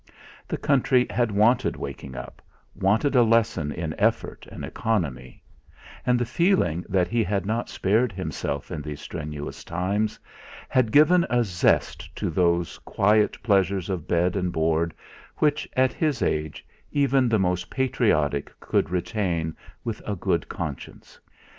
The country had wanted waking up, wanted a lesson in effort and economy; and the feeling that he had not spared himself in these strenuous times, had given a zest to those quiet pleasures of bed and board which, at his age, even the most patriotic could retain with a good conscience.